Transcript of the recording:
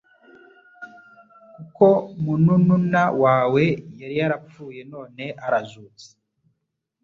kuko munununa wawe yari yarapfuye none arazutse,